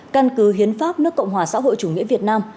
căn cứ hiến pháp nước cộng hòa xã hội chủ nghĩa việt nam